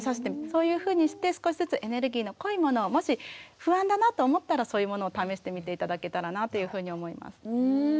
そういうふうにして少しずつエネルギーの濃いものをもし不安だなと思ったらそういうものを試してみて頂けたらなというふうに思います。